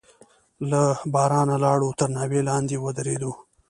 له بارانه لاړو، تر ناوې لاندې ودرېدو.